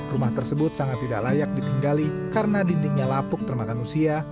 rumah tersebut sangat tidak layak ditinggali karena dindingnya lapuk termakan usia